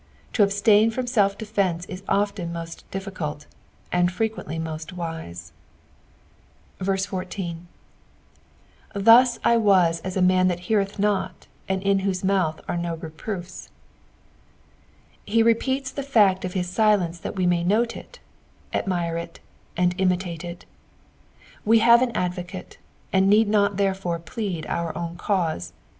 To absUin from self defence is often most difficult, nnd frequcntlv most wise. 14. " Thtit I Hal lu a man that heareth not, and in tehogt moath an no rtprM/i." lie repeals the fact of his silence tli at we may note it, admire it, and imitate it. Ws have an advocate, and need not therefore plead our own cause.